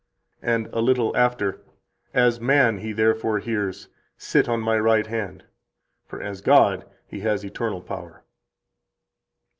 And a little after: "As man He therefore hears, 'Sit on My right hand.' For as God He has eternal power."